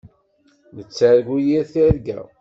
Nettargu yir tirga.